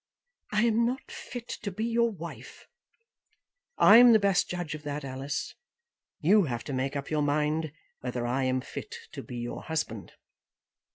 "I am not fit to be your wife." "I am the best judge of that, Alice. You have to make up your mind whether I am fit to be your husband."